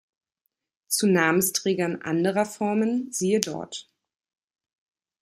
Zu Namensträgern anderer Formen siehe dort.